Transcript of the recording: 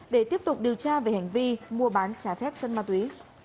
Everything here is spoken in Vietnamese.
để tiếp tục điều tra về hành vi mua bán trái phép chất ma túy